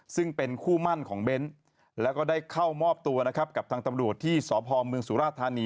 ซึ่งเป็นคู่มั่นของเบ้นแล้วก็ได้เข้ามอบตัวนะครับกับทางตำรวจที่สพเมืองสุราธานี